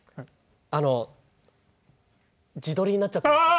あの自撮りになっちゃってます。